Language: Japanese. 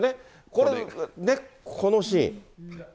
これで、このシーン。